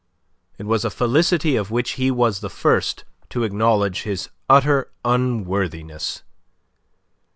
It was a felicity of which he was the first to acknowledge his utter unworthiness.